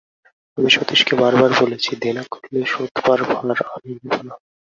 আমি সতীশকে বার বার বলেছি, দেনা করলে শোধবার ভার আমি নেব না।